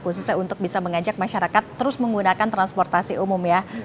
khususnya untuk bisa mengajak masyarakat terus menggunakan transportasi umum ya